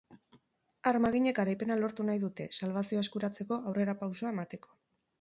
Armaginek garaipena lortu nahi dute, salbazioa eskuratzeko aurrerapausoa emateko.